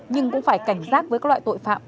nhưng cũng phải cảnh giác với các loại tội phạm